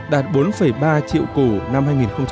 đạt bốn ba triệu củ năm hai nghìn một mươi bảy